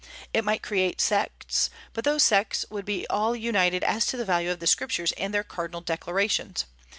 It might create sects, but those sects would be all united as to the value of the Scriptures and their cardinal declarations.